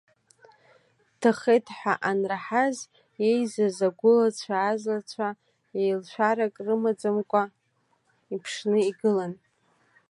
Дҭахеит ҳәа анраҳаз иеизаз агәылацәа-азлацәа еилшәарак рымаӡамкәа иԥшны игылан.